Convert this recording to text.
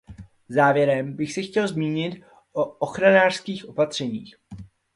Závěrem bych se chtěl zmínit o ochranářských opatřeních.